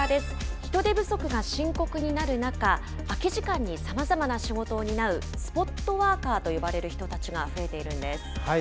人手不足が深刻になる中、空き時間にさまざまな仕事を担う、スポットワーカーと呼ばれる人たちが増えているんです。